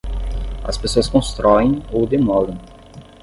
As pessoas constroem ou demolem.